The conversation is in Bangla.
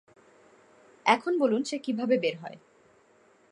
এখন বলুন সে কীভাবে বের হয়?